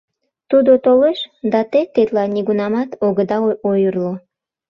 Тудо толеш, да те тетла нигунамат огыда ойырло.